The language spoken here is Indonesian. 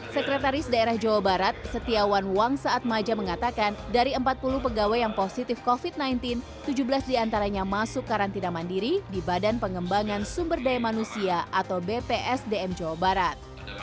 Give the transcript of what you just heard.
sekretaris daerah jawa barat setiawan wang saat maja mengatakan dari empat puluh pegawai yang positif covid sembilan belas tujuh belas diantaranya masuk karantina mandiri di badan pengembangan sumber daya manusia atau bpsdm jawa barat